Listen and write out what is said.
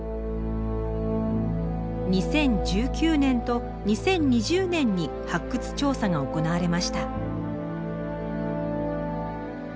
２０１９年と２０２０年に発掘調査が行われました。